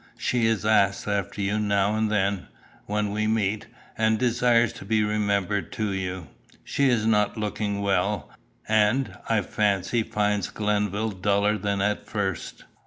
She asks after you now and then, when we meet, and desires to be remembered to you. She is not looking well, and, I fancy, finds Glenville duller than at first."